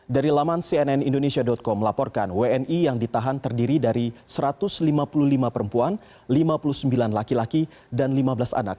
dari laman cnnindonesia com melaporkan wni yang ditahan terdiri dari satu ratus lima puluh lima perempuan lima puluh sembilan laki laki dan lima belas anak